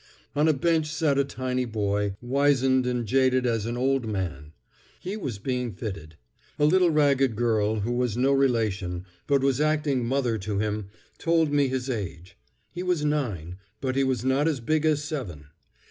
On a bench sat a tiny boy, wizened and jaded as an old man. He was being fitted. A little ragged girl who was no relation, but was acting mother to him, told me his age. He was nine, but he was not as big as seven.